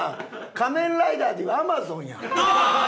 『仮面ライダー』でいうアマゾンやん。